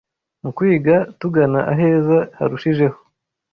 Mu kwiga tugana aheza harushijeho